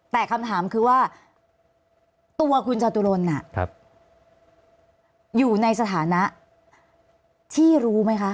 แต่คำถามคือว่าตัวคุณจตุรนอยู่ในสถานะที่รู้ไหมคะ